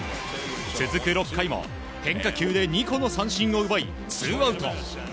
続く６回も変化球で２個の三振を奪いツーアウト。